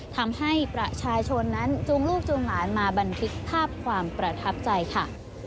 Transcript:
ทำให้ประชาชนนั้นจูงลูกจูงหลานมาบันทึกภาพความประทับใจค่ะ